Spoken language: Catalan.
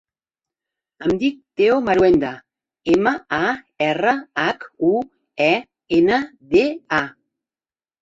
Em dic Theo Marhuenda: ema, a, erra, hac, u, e, ena, de, a.